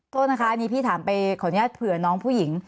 โทษนะคะอันนี้พี่ถามไปขออนุญาตเผื่อน้องผู้หญิง